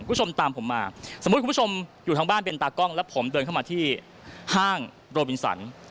คุณผู้ชมตามผมมาสมมุติคุณผู้ชมอยู่ทางบ้านเป็นตากล้องแล้วผมเดินเข้ามาที่ห้างโรบินสัน